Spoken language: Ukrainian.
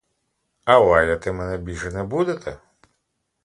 А лаяти мене більше не будете?